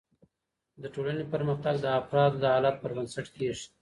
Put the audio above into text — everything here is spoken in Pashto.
د ټولني پرمختګ د افرادو د حالت پر بنسټ کیږي.